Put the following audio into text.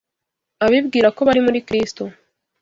Abibwira ko bari muri Kristo,